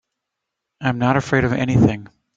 I'm not afraid of anything.